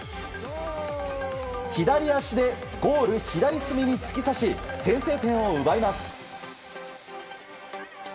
左足でゴール左隅に突き刺し先制点を奪います。